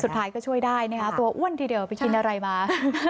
สุดท้ายก็ช่วยได้นะคะตัวอ้วนทีเดียวไปกินอะไรมา